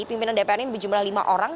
pimpinan dpr ini berjumlah lima orang